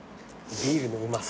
ビールのうまさ